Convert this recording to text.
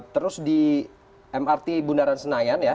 terus di mrt bundaran senayan ya